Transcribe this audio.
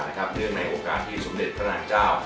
เนื่องในโอกาสที่สมเด็จพระนางเจ้า